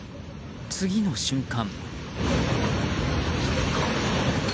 次の瞬間。